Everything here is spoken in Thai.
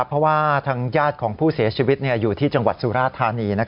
เพราะว่าทางญาติของผู้เสียชีวิตอยู่ที่จังหวัดสุราธานี